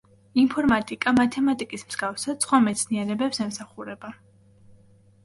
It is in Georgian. ინფორმატიკა, მათემატიკის მსგავსად, სხვა მეცნიერებებს ემსახურება.